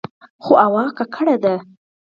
خو هوا ککړه ده.